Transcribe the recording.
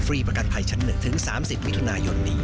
ประกันภัยชั้น๑ถึง๓๐มิถุนายนนี้